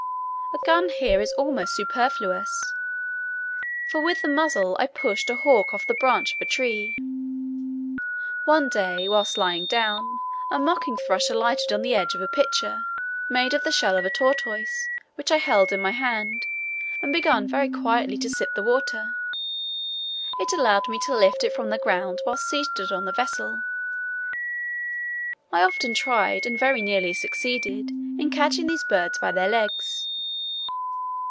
A gun is here almost superfluous; for with the muzzle I pushed a hawk off the branch of a tree. One day, whilst lying down, a mocking thrush alighted on the edge of a pitcher, made of the shell of a tortoise, which I held in my hand, and began very quietly to sip the water; it allowed me to lift it from the ground whilst seated on the vessel: I often tried, and very nearly succeeded, in catching these birds by their legs.